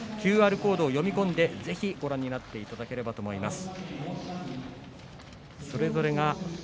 ＱＲコードを読み込んでぜひ、ご覧になっていただければと思います。